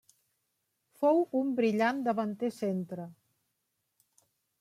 Fou un brillant davanter centre.